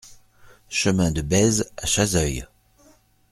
Chemin de Bèze à Chazeuil